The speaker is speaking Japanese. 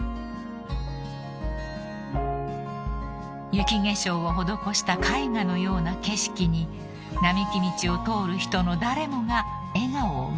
［雪化粧を施した絵画のような景色に並木道を通る人の誰もが笑顔を浮かべます］